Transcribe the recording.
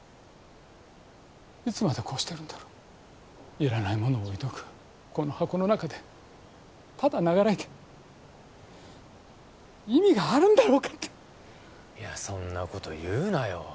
いつまでこうしてるんだろういらないものを置いとくこの箱の中でただ永らえて意味があるんだろうかっていやそんなこと言うなよ